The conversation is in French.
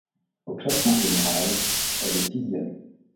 Au classement général, elle est sixième.